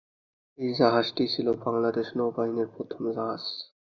এই জাহাজটি ছিল বাংলাদেশ নৌবাহিনীর প্রথম জাহাজ।